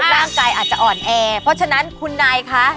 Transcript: ร่างกายอาจจะอ่อนแอเพราะฉะนั้นคุณนายคะ